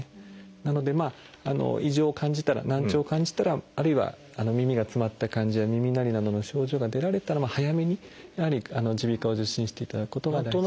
なので異常を感じたら難聴を感じたらあるいは耳が詰まった感じや耳鳴りなどの症状が出られたら早めにやはり耳鼻科を受診していただくことが大事です。